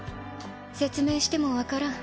説明しても分からん。